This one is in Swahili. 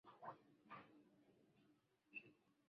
baada ya kuambia mama yangu aliona kwamba